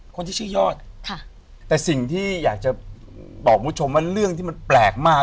คนที่ชื่อยอดค่ะแต่สิ่งที่อยากจะบอกคุณผู้ชมว่าเรื่องที่มันแปลกมาก